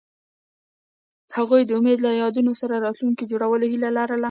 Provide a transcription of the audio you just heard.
هغوی د امید له یادونو سره راتلونکی جوړولو هیله لرله.